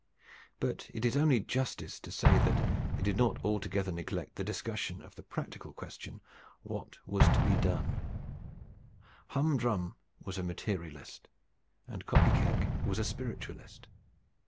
But it is only justice to say that they did not altogether neglect the discussion of the practical question, what was to be done. Hum Drum was a Materialist, and Kopy Keck was a spiritualist.